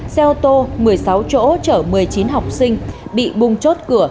xe ô tô một mươi sáu chỗ chở một mươi chín học sinh bị bung chốt cửa